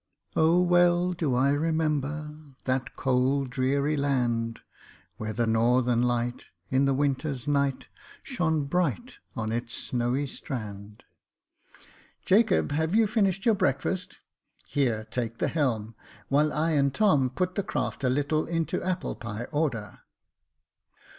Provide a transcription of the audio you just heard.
" Oh well do I remember that cold dreary land. Where the northern light, In the winter's night, Shone briglit on its snowy strand. Jacob, have you finished your breakfast ? Here, take the helm, while I and Tom put the craft a little into applepie order."